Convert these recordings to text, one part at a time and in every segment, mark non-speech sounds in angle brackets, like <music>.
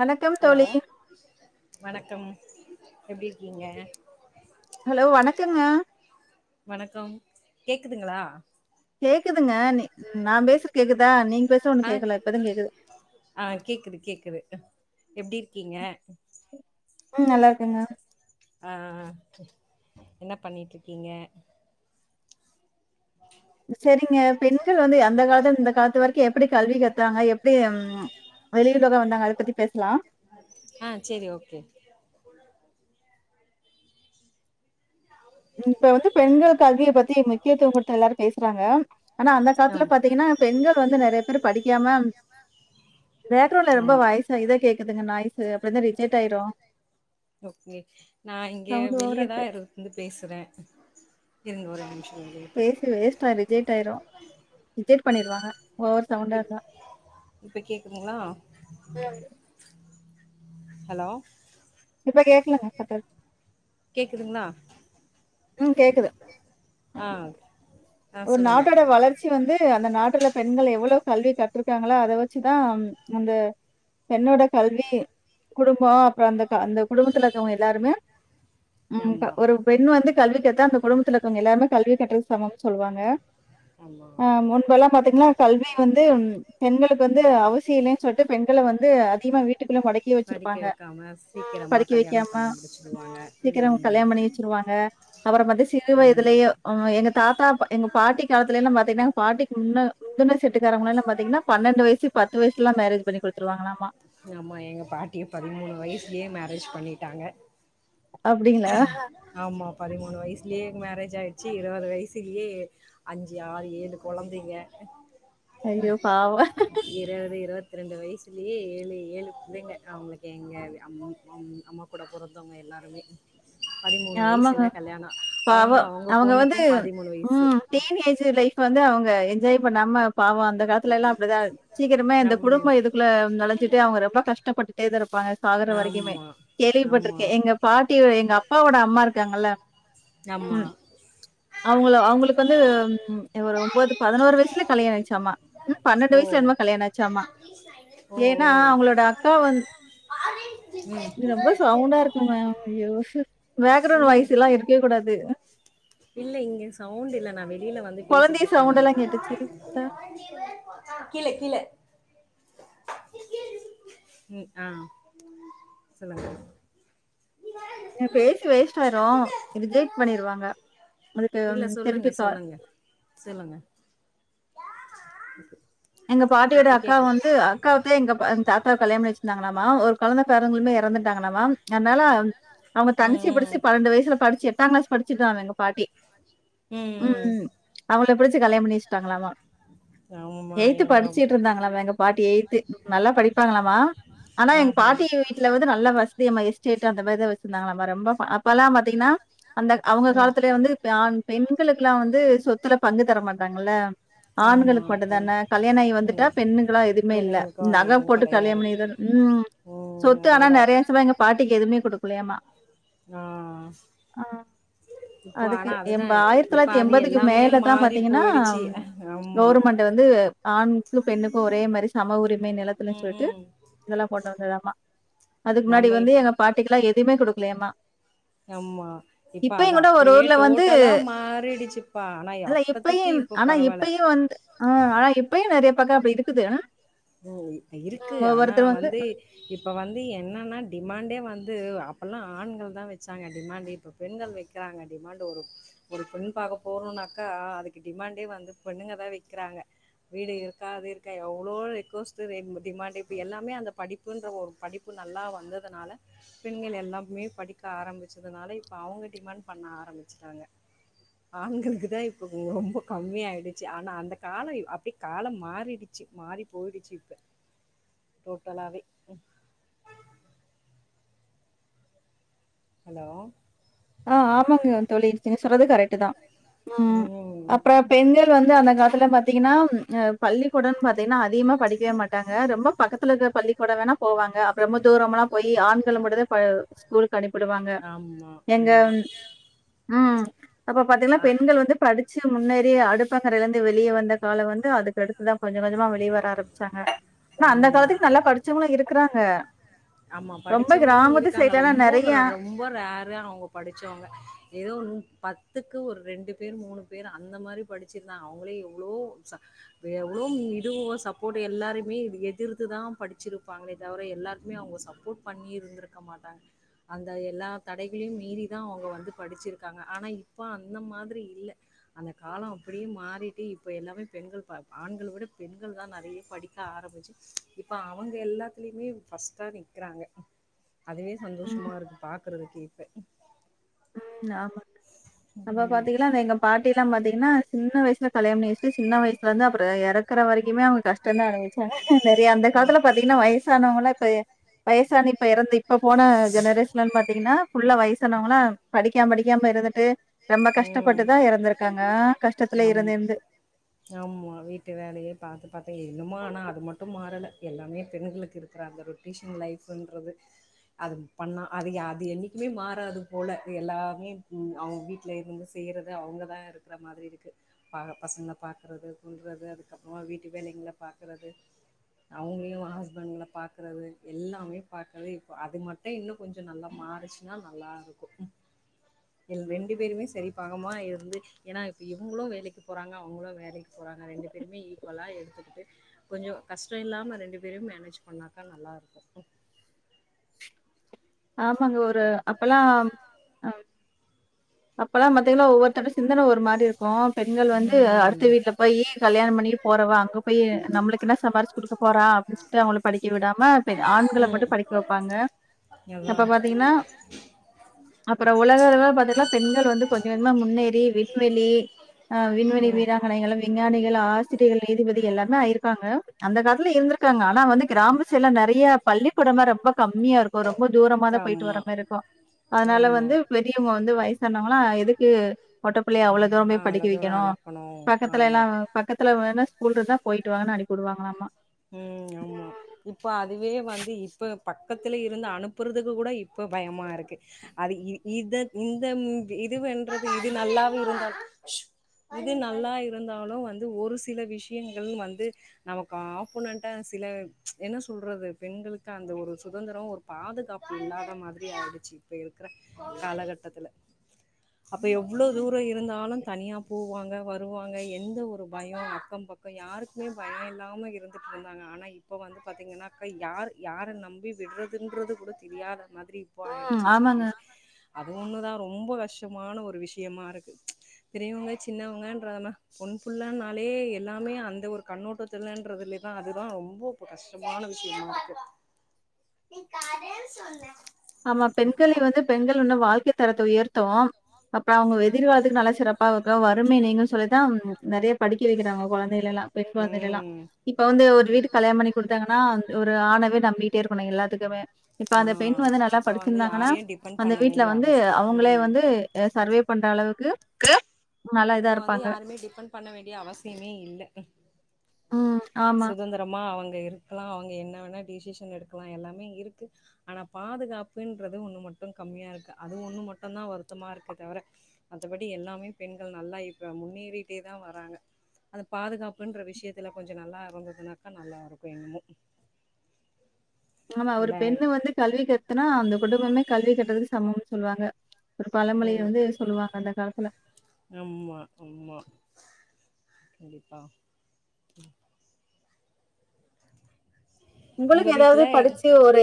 வணக்கம் ஹலோ தோழி. வணக்கம் எப்டி இருக்கீங்க ஹலோ வணக்கங்க வணக்கம் கேக்குதுங்களா கேக்குதுங்க நீ நா பேசுற ஆஹ் ஆஹ் கேக்குது கேக்குது எப்டி இருக்கீங்க உம் நல்லா இருக்கங்க ஆ என்ன பண்ணிட்ருக்கீங்க சேரிங்க பெண்கள் வந்து அந்த காலத்து இந்த காலத்து வரைக்கு எப்படி கல்வி கத்தாங்க எப்டி ம் வெளியுலகா வந்தாங்க அத பத்தி பேசலா ஆ சேரி ஓகே இப்ப வந்து பெண்கள் கல்விய பத்தி முக்கியத்துவம் குடுத்த எல்லாரு பேசுறாங்க ஆனா அந்த காலத்துல ஆம் பத்தீங்கன்னா பெண்கள் வந்து நெறைய பேர் படிக்காம பேக்ரவுண்ட்ல ரொம்ப ஆம் வயசு இத கேக்குதுங்க நாய்ஸ்சு அப்டிருந்த ரிஜெக்ட் ஆயிரு ஓகே நா இங்க ஓவரா வெளியேதா இருக்கு. இரு இருந் பேசுறே இருங்க ஒரே நிமிஷோ வெளிய பேசி வேஸ்டா ரிஜெட் ஆயிரு ரிஜெக்ட் பண்ணிருவாங்க ஓவர் சவுண்டா இப் இருந்தா. இப்ப கேக்குதுங்ளா ஹலோ இப்ப கேக்கலங்க சத்த கேக்குதுங்லா கேக்குது. ஆஹ் ஒரு நாட்டோட வளர்ச்சி வந்து அந்த நாட்டுல பெண்கள் எவ்ளோ கல்வி கற்றுருக்காங்களோ அத வச்சுதா அந்த பெண்ணோட கல்வி குடும்ப அப்புற அந்த அந்த குடும்பத்துல இருக்கவங்க எல்லாருமே உம் ஆமா ஒரு பெண் வந்து கல்வி கத்தா அந்த குடும்பத்துல இருக்கவங்க எல்லாமே கல்வி கட்டுறது சமம் சொல்லுவாங்க ஆமா அஹ் முன்பெல்லா பாத்தீங்னா கல்வி வந்து பெண்களுக்கு வந்து அவசியோ இல்லனு சொல்ட் பெண்கள வந்து அதிகமா வீட்டுக்குள்ள மொடக்கியே படிக்க வச்சிருப்பாங்க வைக்காம சீக்கிரமாக படிக்க கல்யாணம் வைக்காம பண்ணி முடிச்சிடுவாங்க கல்யாண பண்ணி வச்சிருவாங்க அப்றோ பாத்த சிறு ஆமாம் வயதுலயோ அ எங்க தாத் எங்க பாட்டி காலத்துலைலா பாத்தீங்கனா பாட்டிக்கு முன்ன முந்துன செட்டுக்காரவுங்களைலா பாத்தீங்கனா பன்னன்டு வயசு பத்து வயசுலா மேரேஜ் பண்ணி குடுத்ருவாங்கலாமா ஆமா எங்க பாட்டியே பதிமூனு வயசுலயே மேரேஜ் பண்ணி விட்டாங்க அப்டிங்களா? ஆமா பதிமூனு வய்சுலயே மேரேஜ் ஆய்ச்சு இருவது வயசுலயே அஞ்சு ஆறு ஏழு கொழந்தைங்க அய்யோ பாவோ இருபத்தி ரெண்டு வயசுலயே ஏழு ஏழு புள்ளைங்க அவுங்ளுக் எங்க அம்மா அம்மா கூட பொறந்தவங்க எல்லாருமே பதிமூணு ம் ஆமாங்க வயசில் கல்யாணம் அவ அவங்க அவங்க வந்து பொண்ணுக்கும் பதிமூணு வயசு ம் டீன் ஏஜ் லைஃப்வ வந்து அவங்க என் ஜாய் பண்ணாம பாவோ அந்த அந்த காலத்துலலா அப்டிதா சீக்கரமே இந்த ஆமாம் குடும்ப இதுக்குள்ள நொழஞ்சிட் அவுங்க ரொம்ப கஷ்டப்பட்டுட்டே தா இருப்பாங்க சாகர வரைக்குமே ஆமாம் கேள்விபட்ருக்கே ஆமாம் எங்க பாட்டி எங்க அப் அப்பாவோட அம்மா இருக்காங்கள்ள ஆமா. ம் அவுங்கள அவுங்ளுக்கு வந்து ம் ஒரு ஒம்போது பதுனோரு வயசுல கல்யாணாய்ச்சாமா ம் பன்னண்டு ஓ! வயசுல என்னமோ கல்யாணாய்ச்சாமா ஓ! ஓ! ஏன்னா ம். அவுங்களோட அக்கா வந் இது ரொம்ப சவுண்டா இருக்குங்க ம் ஐய்யோ ஹு இல்ல இல்ல இங்க சவ்ண்டு இல்ல நா வெளில வந்து பேசிட் குழந்தை இருக்கே நானு சவுண்டெல்லாம் கேட்டுச்சு. தா கீழ கீழ ம் ஆ சொல்லுங்க எ பேஸ் வேஸ்ட் வரூ ரிஜெக்ட் பண்ணிருவாங்க அதுக்கு இல்ல ம், சொல்லுங்க திருப்பி கால் சொல்லுங்க சொல்லுங்க <inaudible> எங்க பாட்டியோட இப்ப அக்காவ கேக்கல. வந்து அக்காவுக்கே எங்க தாத்தாவ கல்யாண பண்ணி வச்சிந்தாங்களாமா ஒரு கொழந்த பேரங்களுமே இறந்துடாங்களாமா அனால அவுங்க ம் தங்கசிய ம் புடிச்சி பனண்டு வயசுல படிச்சி எட்டாங்களாஸ் படிச்சுட்டாங்க எங்க பாட்டி ம் ம் அவுங்ள புடிச் கல்யாண பண்ணி வச்டாங்களாமா ஆமா எய்த்து எங்க படிச்சுட்டு இருந்தாங்களாமா எங்க பாட்டி எயி்த்து நல்லா படிப்பாங்களாமா ஆனா எங்க ஆஹா பாட்டி வீட்டுல வந்து நல்லா வச ம எஸ்டே் அந்த மாதிரிதான் வச்சிருந்தாங்களாம நம்ம ரொம்ப இப்பல்லாம் பாத்தீங்கன்னா அந்த அவங்க ம் காலத்தில வந்து ஆண் பெண் மக்களுக்குெல்லாம் வந்து சொத்துல பங்கு தர மாட்டாங்கல்ல ஆமா ஆண்களுக்கு அப்ப மட்டும் தானே கல்யாணம் ஆகி ம் வந்துட்டா பெண்ணுங்களா எதுவுமே இல்ல பெண்ணுங்களுக்கு நகை எதுவு போட்டு கெடையாது கல்யாணபண்ணிதான் ம் ம் சொத்து ஆனா அதோட நிறைய ஆகும் சவா எங்க பாட்டிக்கு எதுவுமே கொடுக்க புளையமா ஆ ஆஹ் இப்போ அதுக்கு ஆனா எ அதுதா ஆயிரத்தி இப்ப தொள்ளாயிரத்தி அது எம்பதுக்கு எல்லாமே மேலதா மாறி பாத்தீங்கன்னா போயிடுச்சு ஆமா கவர்மெண்ட் வந்து ஆணுக்கு பெண்ணுக்கு ஒரே மாரி சம உரிமை நிலத்துலன் ம் சொல்லிட்டு ம் இதெல்லா கொண்டு வந்ததாமா அதுக்கு முன்னாடி நம்ம வந்து இப் எங்க பாட்டிக்கு லா எதுவுமே குடுக்க தேமா ஆமா இப்ப அத ஒரு அப்படியே ஊர்ல வந்து டோட்டலா மாறிடுச்சுப்பா ஆனா இல்ல அப்பத்திக்கி இப்பயும் இப்ப பரவால நெறைய பக்க அப்புடி இருக்குது ஆ ஓ இருக்கு ஆனா வந்து இப்ப வந்து என் னன்னா டிமாண்டே வந்து அப்பல்லா ஆண்கள் தா வச்சாங்க டிமாண்ட் இப்ப பெண்கள் வைக்கிறாங்க டிமாண்ட் ஒரு ஒரு பெண் பாக்க போறோனாக்கா அதுக்கு டிமாண்டே வந்து பெண்ணுங்க தா வைக்கிறாங்க வீடு இருக்கா அது இருக்கா எவ்ளோ <unintelligible> டிமாண்ட் எல்லாமே அந்த படிப்புன்ற ஒரு படிப்பு நல்லா வந்ததுனால பெண்கள் எல்லாமே படிக்க ஆரம்பிச்சதுனால இப்ப அவங்க டிமாண்ட் பண்ண ஆரம்பிச்சுட்டாங்க ஆண்களுக்கு தா இப்ப ரொம்ப கம்மி ஆயிடுச்சு ஆனா அந்த கால அப்படி காலம் மாறிடுச்சு மாறி போயிடுச்சு இப்ப டோட்டலாவே ஹலோ ஆஹ் ஆமாங்க தோழி நீங்க சொல்றது கரெக்ட் தா உம் ம் அப்புற பெண்கள் வந்து அந்த காலத்துல பாத்தீங்கன்னா ஆஹ் பள்ளிக்கூடம்னு பாத்தீங்கன்னா அதிகமா படிக்கவே மாட்டாங்க ரொம்ப பக்கத்துல இருக்க பள்ளிக்கூட வேணா போவாங்க அப்புற தூரம்லா போயி ஆண்கள மட்டுந்தா ப ஸ்கூல் கனுப்பிடுவாங்க ஆமா எங்க ஆமா ம் அப்ப பாத்தீங்கன்னா ஆ பெண்கள் வந்து படிச்சு முன்னேறி அடுப்பங்கரையில இருந்து வெளிய வந்த கால வந்து அதுக்கடுத்தது கொஞ்ச கொஞ்சமா வெளிய வர ஆரம்பிச்சாங்க ஆனா அந்த ஆமா காலத்துக்கு நல்லா படிச்சவங்களும் இருக்குறாங்க. ஆமா ரொம்ப படிச்சவங்களு கிராமத்து இருக்காங்க சைட்லலாம் ரொம்ப நெறையா ரொம்ப ரேரு அவுங்க படிச்சவங்க ஏதோ பத்துக்கு ஒரு ரெண்டு பேர் மூணு பேர் அந்த மாரி படிச்சிருந்தா அவங்களே எவ்ளோ ச எவ்ளோ இதுவு சப்போர்ட் எல்லாரயு மே எதிர்த்துதா படிச்சிருப்பாங்களே தவிர எல்லாருக்குமே அவங்க சப்போர்ட் பண்ணி இருந்திருக்க மாட்டாங்க அந்த எல்லா தடைகளையு மீறிதா அவங்க வந்து படிச்சிருக்காங்க ஆனா இப்ப அந்த மாதிரி இல்ல அந்த கால அப்படியே மாறிட்டு இப்ப எல்லாமே பெண்கள் ஆண்களை விட பெண்கள் தா நறைய படி க்க ஆரம்பிச்சுச்சு இப்ப அவங்க எல்லாத்துலயுமே ஃபர்ஸ்ட்டா நிக்கறாங்க அதுவே சந்தோஷமா இருக்கு பா க்குறதுக்கு இப்ப உ ஆமா அப்ப ம் பாத்தீங்கலா அது எங்க பாட்டி ல்ல பாத்தீங்கன்னா சின்ன வயசுல கல்யாணம் பண்ணி வச்சுட்டு சின்ன வயசுல இருந்து அப்புற எறக்குற வரைக்குமே அவங்க கஷ்டந்தா அனுபவிச்சாங்க நறையா அந்த காலத்துல பாத்தீங்கன்னா வயசானவங்கலா இப்ப வயசான இப்ப எறந்து இப்ப போன ஜெனரேஷன்லன் பாத்தீங்கன்னா ஃபுல்லா வயசானவங்களா படிக்காம படிக்காம இருந்துட்டு ரொம்ப உம் கஷ்டப்பட்டு தான் இறந்துருக்காங்க. ஆ கஷ்டத்துல ஆம் இருந்து, இருந்து ஆமா வீட்டு வேலையே பாத்து பாத்து இன்னுமு ஆனா அது மட்டும் மாறல எல்லாமே பெண்களுக்கு இருக்கிற அந்த ரொட்டேஷன் லைஃப்புன்றது அது பண்ணா அது அது என்னைக்குமே மாறாது போல எல்லாமே அவங்க வீட் டுல இருந்து செய்யறது அவங்கதா இருக்கற மாதிரி இருக்கு பசங்கள பாக்கறது குன்றது அதுக்கப்புறமா வீட்டு வேலைங்கள பாக்கரது அவங்களையு ஹஸ்பண்ட்ங்ல பாக்குரது எல்லாமே பாக்குரது இப்ப அது மட்டு இன்னு கொஞ்ச நல்லா மாறிச்சுன்னா நல்லா இருக்கு ரெண் டு பேருமே சரி பாகமா இருந்து ஏன்னா இப்ப இவங்களு வேலைக்கு போறாங்க அவங்களு வேலைக்கு போறாங்க ரெண்டு பேருமே ஈக்குவலா எடுத்துக்கிட்டு கொஞ்ச கஷ்ட இல்லாம ரெண்டு பேரும் மேனேஜ் பண்ணாக்கா நல்லா இருக்கு ஆமாங்க ஒரு அப்பல்லா அஹ் அப்பெல்லாம் பாத்தீங்கன்னா ஒவ்வொருத்தரட சிந்தன ஒரு மாரி இருக்கு பெண்கள் வந்து ம் அடுத்த வீட்டுல போயி கல்யாணம் பண்ணிட்டு போறவா அங்க போய் நம்மளுக்கு என்ன சம்பாரிச்சு குடுக்க போறா அப்படின்னு சொல்லிட்டு அவங்கள படிக்க விடாம ப ஆண்கள ம் மட்டும் படிக்க வைப்பாங்க அதா அப்ப பாத்தீங்கன்னா அப்புறம் உலக அளவுல பாத்தீங்கன்னா பெண்கள் வந்து கொஞ்ச முன்னேறி விண்வெளி ஆ விண்வெளி ம் வீராங்கனைகள் விஞ்ஞானிகள் ஆசிரியிகள் நீதிபதி எல்லாமே ஆயிருக்காங்க அந்த காலத்துல இருந்திருக்காங்க ஆனா வந்து கிராம சைட்லா நெறைய பள்ளிக்கூடலா ரொம்ப கம்மியா இருக்கு ரொம் ரொம்ப தூரமா தா போயிட்டு வர ஆமா மாரிக்கு அதனால ஆமா வந்து பெரியவங்க வந்து வயசானவங்களா எதுக் ஏ ஒட்டப் பிள்ளைய அவ்ளோ தூரம் அவ்ளோ படிக்க தூரோ வைக்கணு அனுப்பணு பக்கத்துல எல்லா ஆமா பக்கத்துல வேணா ஊடுஊடா போயிட்டு வானு அனுப்பி விடுவாங்களாமா உம் ஆமா இப்ப அதுவே வந்து இப்ப பக்கத்துல இருந்து அனுப்புறதுக்கு கூட இப்ப பயமா இருக்கு அத இத இந்த இதுன் இது இது நல்லாவு இருந்தா இது நல்லா இருந்தாலு வந்து ஒரு சில விஷயங்கள் வந்து நமக்கு ஆப் புனன்டா சில என்ன சொல்றது பெண்களுக்கு அந்த ஒரு சுதந்திரம் ஒரு பாதுகாப்பு இல்லாத மாதிரி ஆயிடுச்சு இப்ப இரு கிற காலகட்டத்துல அப்ப எவ்வளவு தூரோ இருந்தாலு தனியா போவாங்க வருவாங்க எந்த ஒரு பயோ அக்க பக்கம் யாருக்குமே பயோ இல்லாம இருந் இருந்தாங்க ஆனா இப்ப வந்து பாத்தீங்கன்னாகா யார் யார நம்பி விட்றங்குது கூட தெரியாத மாதிரி இப்போ ம். ஆயிடுச்சு ஆமாங்க. சுச்சுவேசன் அது ஒண்ணுதா ரொம்ப கஷ்டமான ஒரு விஷயமா இருக்கு பெரியவங்க சின்னவங்கன்றனா பொண் புள்ளனாலே எல்லாமே அந்த ஒரு கண்ணோட்டத்துலன்றது அதுதா ரொம்ப இப்ப கஷ்டமான விஷயமா இருக்கு ஆமா பெண்களை வந்து பெண்கள் உன்னு வாழ்க்கை தரத்த உயர்த்தவும் அப்ப அவங்க எதிர்காலத்துக்கு நல்லா சிறப்பா இருக்க வறுமை நீங்கு சொல்லிதா நிறைய படிக்க வைக்கிறாங்க குழந் பிள்ளைகளைல்லா பெண் கொழந்தையல்லா ம் இப்ப வந்து ஒரு வீட்டுக்கு கல்யாணம் பண்ணி கொடுத்தங்கன்னா ஒரு ஆணவே நம்பிட்டே இருக்கணு எல்லாத்துக்குமே இப்ப ஆ அந்த பெண் வந்து நல் இப்போ வந்து படிச்சிருந்தாங்கன்னா யாரையு டிபெண்ட் அந்த பண்ண வீட்ல வேண்டிய வந்து அவசிய அவங்களே வந்து சர்வே பண்ற அள வுக்கு க்கு இப்ப வந்து யாருமே டிபெண்ட் பண்ண வேண்டிய அவசியமே இல்ல ம். ஆமா, சுதந்திரமா அவுங் கே இருக்கலா அவுங்க என்ன வேனா டிசிஷன் எடுக்கலா எல்லாமே இருக்கு ஆனா பாதுகாப்புன்றது ஒண்ணு மட்டு கம்மியா இருக்கு அது ஒண்ணு மட்டுந்தா வருத்தமா இருக்கே தவிர மத்தபடி எல்லாமே பெண்கள் நல்லா இப்ப முன்னேறிட்டே தா வராங்க அது பாதுகாப்புன்ற விஷயத்துல கொஞ்சோ சேரி நல்லா இருந்ததுனாக்கா நல்லா இருக்கு இன்னுமு ஆமா ஒரு பெண்ணு வந்து கல்வி கத்துனா அந்த குடும்பமே கல்வி கற்றதுக்கு சமம் சொல்லுவாங்க ஒரு பழமொழிய ம் வந்து சொல்லுவாங்க அந்த காலத்துல ஆமா ஆமா கண்டிப்பா உங்க உங்களுக்கு எதாவது படிச்சு வீட்ல ஒரு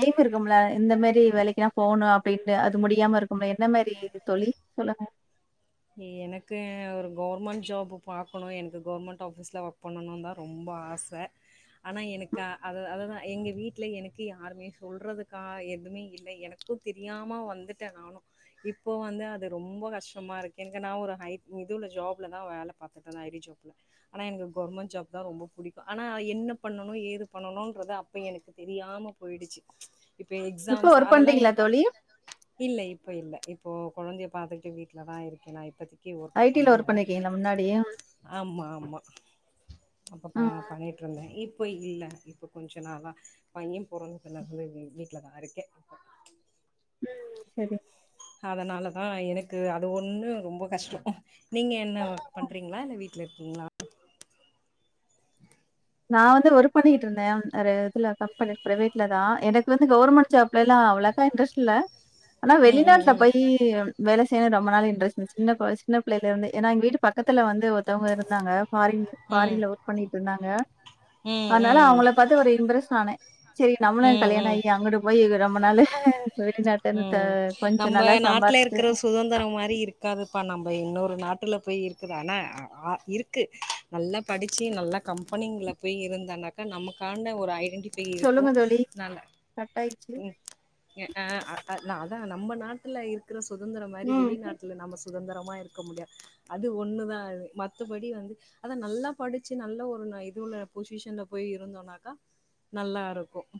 எய்ம் இருக்கும்ல இந்த மாரி வேலைக்குன்னா போணு அப்டின் னு அது முடியாம இருக்குமே என்ன மாரி இது தோழி சொல்லுங்க எனக்கு ஒரு கவர்மெண்ட் ஜாப்பு பா க்கணு எனக்கு கவுர்மெண்ட் ஆஃபீஸ்ல ஒர்க் பண்ணணு தா ரொம்ப ஆச ஆனா எனக்கா அத அதுதா எங்க வீட்ல எனக்கு யாருமே சொல்றதுக்கா எதுமே இல்லை எனக்கும் தெரியாம வந்துட்டே நானு இப்போ வந்து அது ரொம்ப கஷ்டமா இருக் கு எனக்கு நா ஒரு ஹை இது உள்ள ஜாப்ல தா வேல பாத்துட்ருந்தே ஐ டி ஜாப்ல ஆனா எனக்கு கவுர்மெண்ட் ஜாப் தா ரொம்ப புடிக்கு ஆனா என்ன பண்ணனு ஏது பண்ணனுன்றத அப்ப எனக்கு தெரியாம போயிடுச்சு ச் இப்ப இப்போ எக்ஸாம்ஸ் ஒர்க் அதெல்லா பண்றீங்களா எனக்கு தோழி? இல்ல இப் இப்ப இல்ல இப்போ கொழந்தய பாத்துக்கிட்டு வீட்ல தா இருக் கேனா இப்பதி க்கி ஒர்க் ஐடில பண்ணல பண்ணிருக்கீங்களா முன்னாடி? ஆமா ஆமா அப்ப ப ம். பண்ணிட்டுருந்தே இப் இப்போ இல்ல இப்ப கொஞ்சோ நாளா பையே பொறந்ததுலருந்து வீட்லதா இருக்கே உம் செரி அதனால தா எனக்கு அது ஒ ன்னு ரொம்ப கஷ்டோ நீங்க என்ன ஒர்க் பண்றீங்களா இல்ல வீட் லருக்கிங்களா நா வந்து ஒரு ஒர்க் பண்ணிகிட்டு இருந்தே ஒரு இதுல அப்ப எனக்கு பிரைவேட்ல தா எனக்கு வந்து கவுர்மண்ட் ஜாப் லல்லா அவ்ளக்கா இன்ட்ரஸ்ட் இல்ல ஆனா ம் ம் வெளிநாட்ல ம் போயி வேல செய்யணு ரொம்ப நாள் இன்ட்ரஸ்ட் இருந்துச்சு சின்ன கொ சின்ன பிள்ளேல இருந்தே ஏனா எங்க வீட்டு பக்கத்துல வந் து ஒருத்தவுங்க இருந்தாங்க ஃபாரின் ம் ஃபாரின்ல ஒர்க் பண்ணிட்டு இருந்தாங்க ம் அதனால ம் அவுங்கள பாத்து ஒரு இம்பரஸ் ஆனே சேரி நம்மளு ம் கல்யாண ஆயி அங்குட்டு போயி ரொம்பனாலு உம் நம்ம நாட்ல சம்பாரிச்சுட்டு இருக்கற சுதந்திரம் மாரி இருக்காதுப்பா நம்ம இன்னொரு நாட்டுல போய் இருக்கது ஆனா அ இருக்கு நல்லா படிச்சு நல்லா கம்பெனிங்கல்ல போய் இருந்தனாக்கா நமக்கான ஒரு ஐடன் டிஃபை இருக்கு சொல்லுங்க தோழி. நாங்க கட் ஆயிடுச்சு. உம் ய ஆஹ் அ ஆ நா அதா நம்ம நாட்டுல இருக் க்ற சுதந்தரம் மாறி ம். வெளிநாட்ல நம்ம சுதந்திரம் ம்மா இருக்க முடியாது அது ஒண்ணுதா அது மத்தபடி வந்து அத நல்லா படிச்சு நல்ல ஒரு இது உள்ள பொசிஷன்ல போய் இருந்தோனாக்கா நல்லாருக்கும்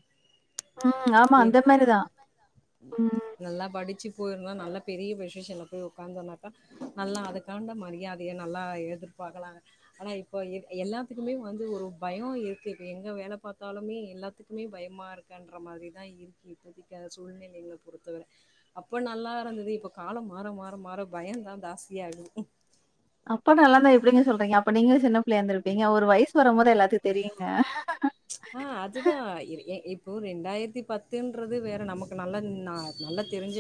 உம் ஆமா அந்த மாரிதா நல்லா படு டுச்சு போயிருந்தா நல்ல பெரிய பொஷிஷன்ல போய் உக்காந்தோனாக்கா நல்லா அதுக்காண்ட மரியாதைய நல்லா எதிர்பாக்கலாங்க ஆனா இப்ப எல்லாத்துக்குமே வந்து ஒரு பயம் இருக்கு எங்க வேல பாத்தாலுமே எல்லாத்துக்குமே பயமா இருக்குன்ற மாரிதா இருக்கு இப்பதிக்கி அது சூழ்நிழை பொறுத்த வர அப்ப நல்லாருந்தது இப்ப காலம் மாற மாற மாற பயந்தா ஜாஸ்தியாகுது அப்ப நல்லாந்தா எப்டிங்க சொல்றிங்க அப்ப நீங்க சின்ன பிள்ளயா இந்திருப்பீங்க ஒரு வயசு வரும்போது எல்லாத்தையு தெரியுங்க ப்ச் ஆஹ் அதுதா இ இப் போ ரெண்டாயிரத்தி பத்துன்றது வேற நமக்கு நல்லா நல்லா தெரிஞ்ச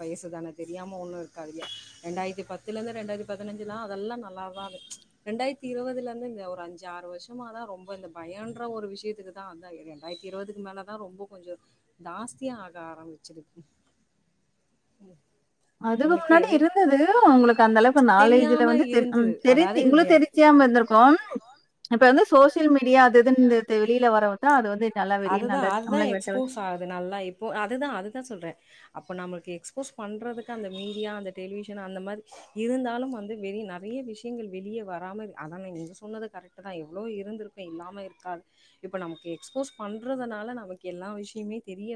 வயசுதான தெரியாம ஒண்ணு இருக்காதுல்லயா ரெண்டாயிரத்தி பத்துல ரெண்டாயிரத்தி பதினஞ்சுனா அதெல்லா நல்லாதா ப்ச் ரெண்டாயிரத்தி இருவதுல இருந்துங்க ஒரு அஞ்சு ஆறு வருஷமாதா ரொம்ப இந்த பயன்ற ஒரு விஷ் யத்துக்குதா அந்த ரெண்டாயிரத்தி இருவதுக்கு மேலதா ரொம்போ கொஞ்சோ ஜாஸ்தியா ஆக ஆரம்பிச்சிருக்கு அதுக்கு முன்னாடி இருந்தது உங்ளுக்கு அந்தளவுக்கு நாலேஜ்ல தெரியாம வந்து தெ ம் இருந்தது. தெரிஞ்சு அதாவது உங்ளும் வே தெரிஞ்சாம இருந்ருக்கு இப்ப வந்து சோசியல் மீடியா அது இதுன்னு இந்த- இந்த வெளியில வரவு தான் அது வந்து நல்லா வெளியில அதுதா நல்லா அதுதா நம்மள எக்ஸ்போஸ் ஆகுது நல்லா இப்போ அதுதா அதுதா சொல்ற அப்போ நம்ளுக்கு எக்ஸ்போஸ் பண்ணுறதுக்கு அந்த மீடியா அந்த டெலிவிஷன் அந்த மாரி இருந்தாலும் வந்து வெளிய நெறய விஷயங்கள் வெளிய வராம இரு அதா நீங்க சொன்னது கரட்டுதா வ்ளோ இருந்திருக்கு இல்லாம இருக்காது இப்ப நமக்கு எக்ஸ்போஸ் பண்றதுனால நமக்கெல்லா விஷ்யமே தெரிய